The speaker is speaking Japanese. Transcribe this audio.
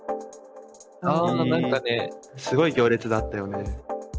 あ何かねすごい行列だったよね。